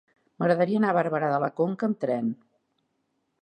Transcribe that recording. M'agradaria anar a Barberà de la Conca amb tren.